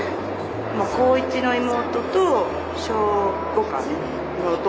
高１の妹と小５かの弟。